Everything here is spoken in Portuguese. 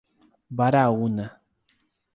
Baraúna